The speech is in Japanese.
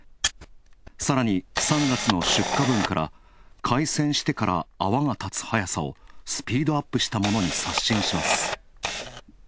さらに、３月の出荷分から開栓してから泡が立つ速さをスピードアップしたものに刷新します。